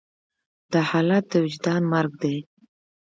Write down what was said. دا حالت د وجدان مرګ دی.